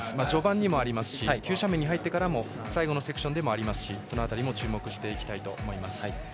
序盤にもありますし急斜面に入ってから最後のセクションでもありますしその辺りも注目したいと思います。